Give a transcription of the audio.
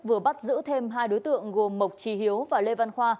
vừa bắt giữ thêm hai đối tượng gồm mộc trí hiếu và lê văn khoa